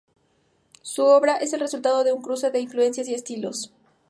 Su obra es el resultado de un cruce de influencias y estilos.